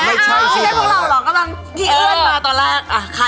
กำลังหี้เอิ้นมาตอนแรก